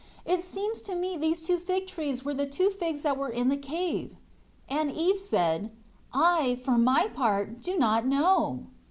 It seems to me these two fig trees are the two figs that were in the cave." And Eve said, "I, for my part, do not know."